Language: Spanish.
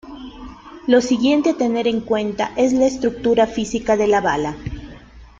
Lo siguiente a tener en cuenta es la estructura física de la bala.